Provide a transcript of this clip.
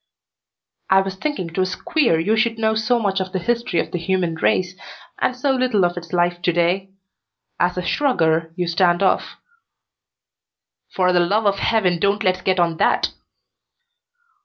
"I was thinking it was queer you should know so much of the history of the human race and so little of its life to day. As a shrugger you stand off." "For the love of Heaven don't let's get on that!"